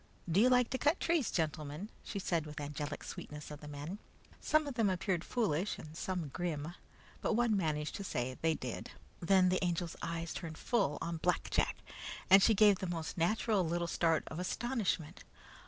Do you like to cut trees, gentlemen?" she asked with angelic sweetness of the men. Some of them appeared foolish and some grim, but one managed to say they did. Then the Angel's eyes turned full on Black Jack, and she gave the most natural little start of astonishment.